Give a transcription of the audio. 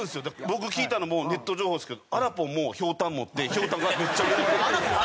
僕聞いたのもネット情報ですけどあらぽんもひょうたん持ってひょうたんがめっちゃ売れなく。